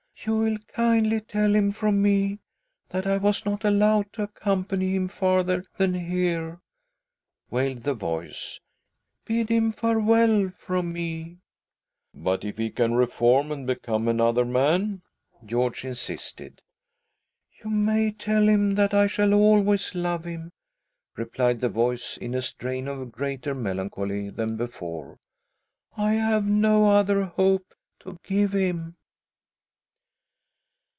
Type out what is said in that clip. " You will kindly tell him from me that I was ' not allowed to accompany him farther than here,",, ' wailed the voice, "Bid him farewell from me." " But if he can reform and become another man ?" George insisted. " You may tell him that I shall always love him," replied the voice, in a strain of greater melancholy than before. " I have no other hope to give him."